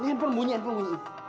nih handphone bunyi handphone bunyi